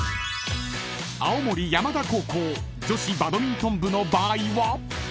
［青森山田高校女子バドミントン部の場合は］